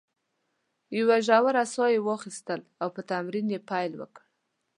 یوه ژوره ساه یې واخیستل او په تمرین یې پیل وکړ.